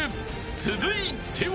［続いては］